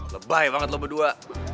lebay banget lo berdua